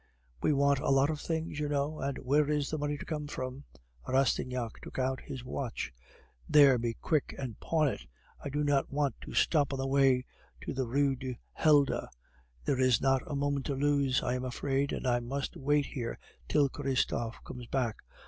"We want a lot of things, you know; and where is the money to come from?" Rastignac took out his watch. "There, be quick and pawn it. I do not want to stop on the way to the Rue du Helder; there is not a moment to lose, I am afraid, and I must wait here till Christophe comes back.